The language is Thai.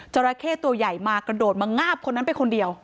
ราเข้ตัวใหญ่มากระโดดมางาบคนนั้นไปคนเดียว